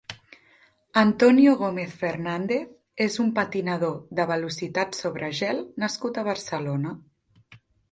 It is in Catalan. Antonio Gómez Fernández és un patinador de velocitat sobre gel nascut a Barcelona.